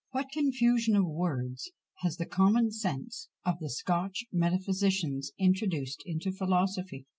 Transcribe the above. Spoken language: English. What confusion of words has the common sense of the Scotch metaphysicians introduced into philosophy!